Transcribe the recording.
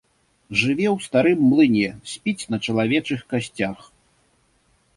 Жыве ў старым млыне, спіць на чалавечых касцях.